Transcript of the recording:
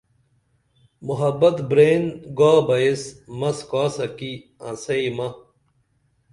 محبت برین گابہ ایس مس کاسہ کی انسئی مہ